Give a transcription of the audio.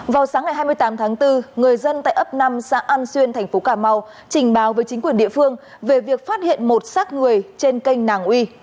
vào sáng ngày hai mươi tám tháng bốn người dân tại ấp năm xã an xuyên thành phố cà mau trình báo với chính quyền địa phương về việc phát hiện một sát người trên kênh nàng uy